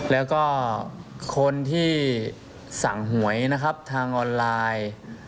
แล้วก็คนที่สั่งหวยนะครับทางออนไลน์